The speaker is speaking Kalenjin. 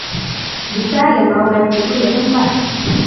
bisali mauek tugul eng imbar